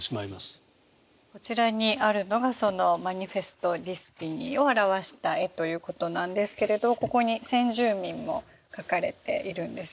こちらにあるのがそのマニフェスト・デスティニーを表した絵ということなんですけれどここに先住民も描かれているんですよね。